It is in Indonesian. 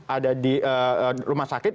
ada di rumah sakit